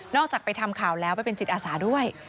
จากไปทำข่าวแล้วไปเป็นจิตอาสาด้วย